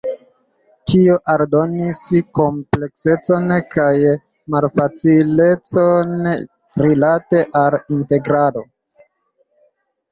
Tio aldonis kompleksecon kaj malfacilecon rilate al integrado.